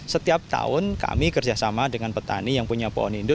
setiap tahun kami kerjasama dengan petani yang punya pohon hindu